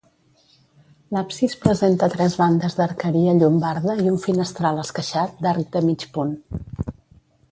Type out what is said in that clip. L'absis presenta tres bandes d'arqueria llombarda i un finestral esqueixat d'arc de mig punt.